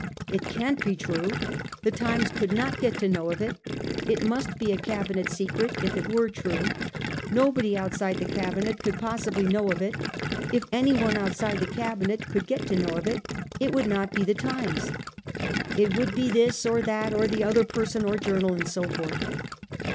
' It can't be true ;'' the Times could not get to know of it;' 'it must be a Cabinet secret if it were true;' ' nobody outside the Cabinet could possibly know of it ;' 'if anyone outside the Cabinet could get to know of it, it would not be the Times ;' it would be this, that, or the other person or journal ; and so forth.